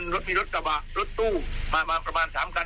รถมีรถตู้มาประมาณ๓กัน